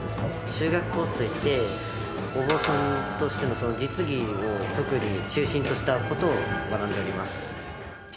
宗学コースといってお坊さんとしての実技を特に中心とした事を学んでおります。